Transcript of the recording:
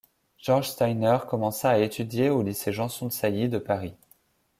George Steiner commença à étudier au lycée Janson-de-Sailly de Paris.